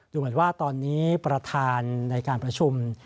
ดูเหมือนว่าตอนนี้ประธานในการประชุม